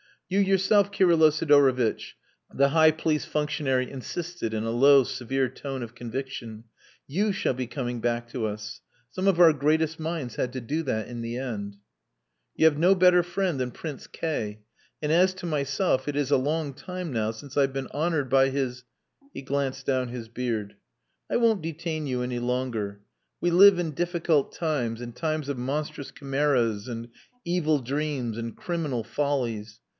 You yourself, Kirylo Sidorovitch," the high police functionary insisted in a low, severe tone of conviction. "You shall be coming back to us. Some of our greatest minds had to do that in the end." "You have no better friend than Prince K , and as to myself it is a long time now since I've been honoured by his...." He glanced down his beard. "I won't detain you any longer. We live in difficult times, in times of monstrous chimeras and evil dreams and criminal follies.